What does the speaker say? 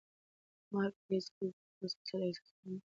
مرګ به هیڅکله زموږ دغه سپېڅلی احساس مړ نه کړي.